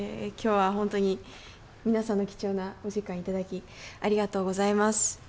今日は本当に皆さんの貴重なお時間を頂きありがとうございます。